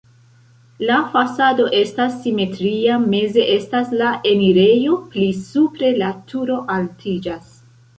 La fasado estas simetria, meze estas la enirejo, pli supre la turo altiĝas.